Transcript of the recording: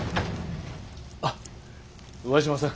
あっ上嶋さん。